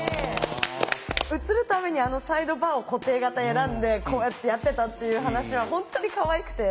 写るためにあのサイドバーを固定型選んでこうやってやってたっていう話は本当にかわいくて。